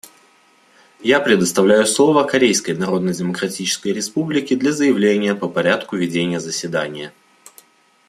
Я предоставляю слово Корейской Народно-Демократической Республике для заявления по порядку ведения заседания.